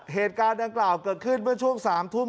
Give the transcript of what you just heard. เหตุการณ์ดังกล่าวเกิดขึ้นเมื่อช่วง๓ทุ่ม